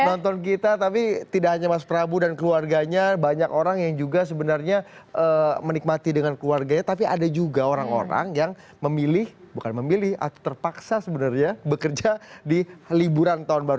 nonton kita tapi tidak hanya mas prabu dan keluarganya banyak orang yang juga sebenarnya menikmati dengan keluarganya tapi ada juga orang orang yang memilih bukan memilih atau terpaksa sebenarnya bekerja di liburan tahun baru